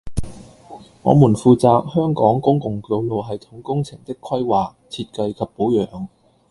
我們負責香港公共道路系統工程的規劃、設計及保養